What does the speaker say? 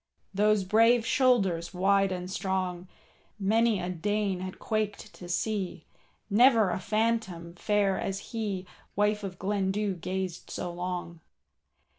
Those brave shoulders wide and strong, Many a Dane had quaked to see, Never a phantom fair as he,— Wife of Glendu gazed so long.